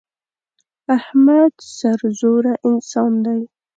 احمد سرزوره انسان دی.